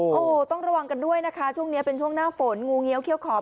โอ้โหต้องระวังกันด้วยนะคะช่วงนี้เป็นช่วงหน้าฝนงูเงี้ยวเขี้ยขอบ